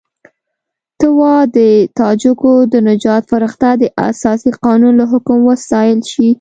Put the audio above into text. ته وا د تاجکو د نجات فرښته د اساسي قانون له حکم وستایل شي.